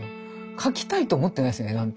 描きたいと思ってないです絵なんて。